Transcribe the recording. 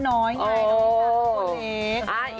น้องนิชาเป็นคนเล็ก